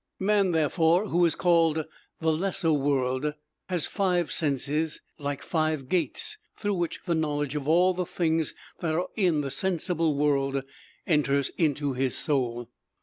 Man, therefore, who is called the lesser world, has five senses, like five gates, through which the knowledge of all the things that are in the sensible world enters into his soul.